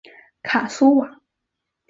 凯苏瓦。